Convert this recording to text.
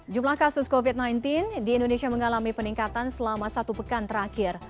jumlah kasus covid sembilan belas di indonesia mengalami peningkatan selama satu pekan terakhir